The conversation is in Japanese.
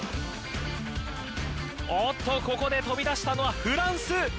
おっと、ここで飛び出したのはフランス。